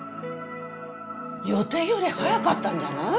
よていより早かったんじゃない？